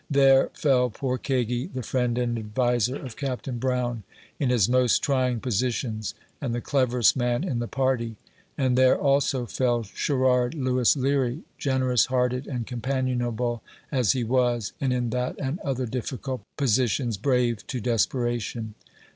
There fell poor Kagi, the friend and adviser of Captain Brown in his most trying positions, and the cleverest man in the party ; and there also fell Sherrard Lewis Leary, generous hearted and companionable as he was, and in that 'and other difficult positions, brave to desperation.